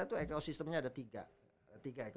itu ekosistemnya ada tiga